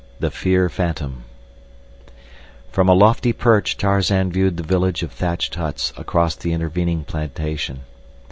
The Fear Phantom From a lofty perch Tarzan viewed the village of thatched huts across the intervening plantation.